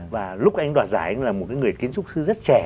và lúc anh ấy đoạt giải là một người kiến trúc sư rất trẻ